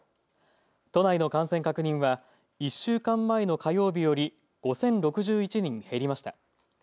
都内の感染確認は１週間前の火曜日より５０６１人減りました。